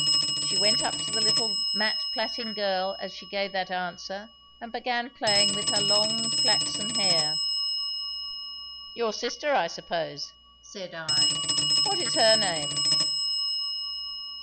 She went up to the little mat plaiting girl as she gave that answer, and began playing with her long flaxen hair. 'Your sister, I suppose,' said I. 'What is her name?